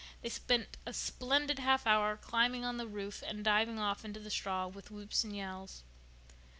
They spent a splendid half hour climbing on the roof and diving off into the straw with whoops and yells.